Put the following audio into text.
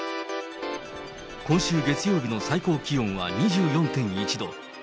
今週月曜日の最高気温は２４．１度。